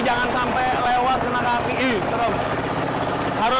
jangan sampai lewat kena keapi